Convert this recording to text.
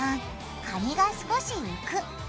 カニが少し浮く。